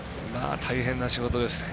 大変な仕事ですね。